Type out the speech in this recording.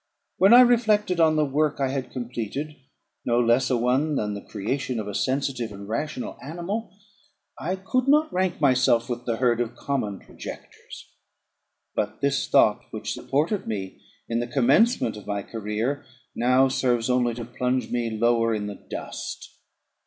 When I reflected on the work I had completed, no less a one than the creation of a sensitive and rational animal, I could not rank myself with the herd of common projectors. But this thought, which supported me in the commencement of my career, now serves only to plunge me lower in the dust.